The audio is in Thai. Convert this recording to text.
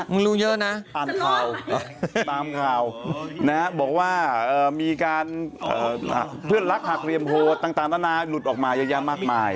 มึงรู้เยอะนะตามข่าวมีการเพื่อนรักหากเรียนโผล่ต่างตนาหลุดออกมาเยอะมากมาย